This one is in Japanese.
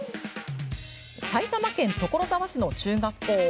埼玉県所沢市の中学校。